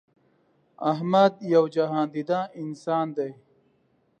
احمد یو جهان دیده انسان دی.